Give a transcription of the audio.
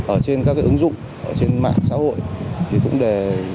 ở trên các ứng dụng ở trên mạng xã hội thì cũng để